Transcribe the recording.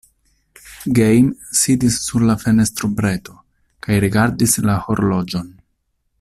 Gejm sidis sur la fenestrobreto kaj rigardis la horloĝon.